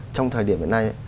trong thời điểm hiện nay